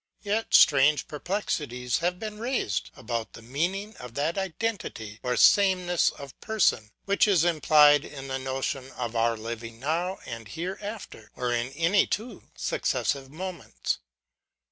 Yet strange perplexities have been raised about the meaning of that identity or sameness of person, which is implied in the notion of our living now and hereafter, or in any two successive moments.